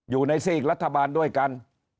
อยู่ในซีกรัฐบาลด้วยกัน